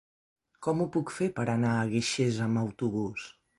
Com ho puc fer per anar a Guixers amb autobús?